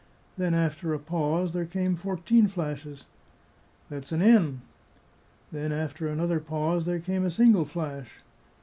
Then, after a pause, there came fourteen flashes. " That's an * N.' " Then, after another pause, there came a single flash.